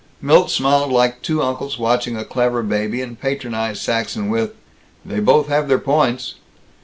Milt smiled like two uncles watching a clever baby, and patronized Saxton with, "They both have their points."